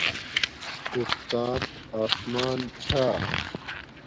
اُستات آسمان چھا